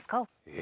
え？